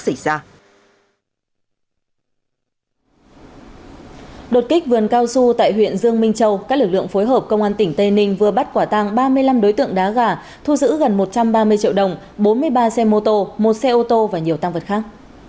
trước kích vườn cao su tại huyện dương minh châu các lực lượng phối hợp công an tỉnh tây ninh vừa bắt quả tăng ba mươi năm đối tượng đá gà thu giữ gần một trăm ba mươi triệu đồng bốn mươi ba xe mô tô một xe ô tô và nhiều tăng vật khác